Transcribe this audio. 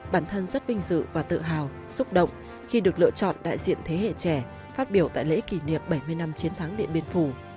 bản thân rất vinh dự và tự hào xúc động khi được lựa chọn đại diện thế hệ trẻ phát biểu tại lễ kỷ niệm bảy mươi năm chiến thắng điện biên phủ